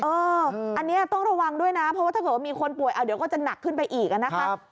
อันนี้ต้องระวังด้วยนะเพราะว่าถ้าเกิดว่ามีคนป่วยเอาเดี๋ยวก็จะหนักขึ้นไปอีกนะคะ